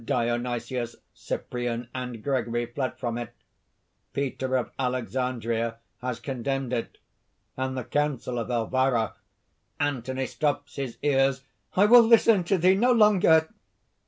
Dionysius, Cyprian and Gregory fled from it. Peter of Alexandria has condemned it; and the council of Elvira...." ANTHONY (stops his ears). "I will listen to thee no longer!"